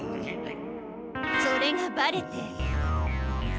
それがバレて。